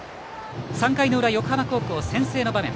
３回裏、横浜高校先制の場面。